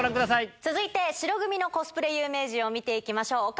続いて、白組のコスプレ有名人を見ていきましょう。